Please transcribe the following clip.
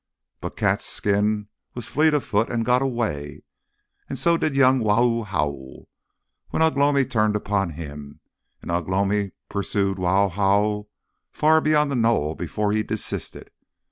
But Cat's skin was fleet of foot and got away, and so did young Wau Hau when Ugh lomi turned upon him, and Ugh lomi pursued Wau Hau far beyond the knoll before he desisted.